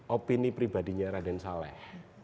opini pribadinya raden salah